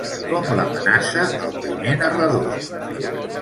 Com l'amenaça el primer narrador?